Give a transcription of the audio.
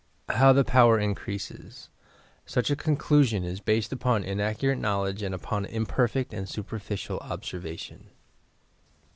HOW THE POWER INCREASES Such a conclusion is based upon inaccurate knowledge and upon imperfect and superficial observation.